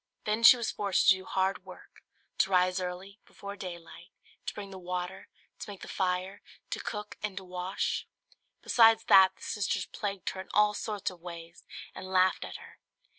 Then she was forced to do hard work; to rise early, before daylight, to bring the water, to make the fire, to cook and to wash. Besides that, the sisters plagued her in all sorts of ways and laughed at her.